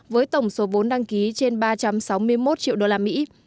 với tổng số vốn đăng ký trên ba trăm sáu mươi một triệu đô la mỹ